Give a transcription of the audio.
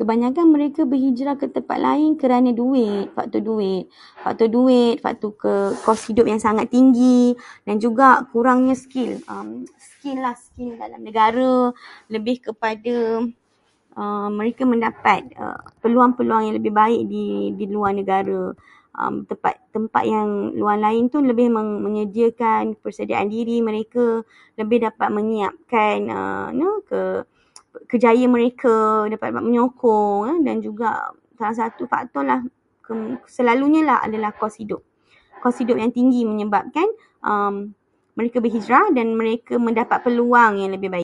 Kebanyakan daripada mereka berhijrah kerana duit- faktor duit. Faktor duit, faktor ke- kos sara hidup yang sangat tinggi, dan juga kurangnya skil. Skil, skil dalam negara. Lebih kepada mereka mendapat peluang-peluang yang lebih baik di luar negara. Tempat- tempat lain itu lebih menyediakan penyediaan diri mereka, lebih dapat menyiapkan kerjaya mereka, dapat menyokong, dan juga salah satu faktorlah. Selalunyalah. Kos hidup- kos hidup yang tinggi menyebabkan mereka berhijrah dan mereka mendapat peluang yang lebih baik.